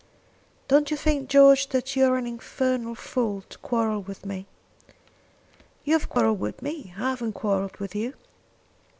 "Don't you think George that you are an infernal fool to quarrel with me." "You have quarrelled with me. I haven't quarrelled with you."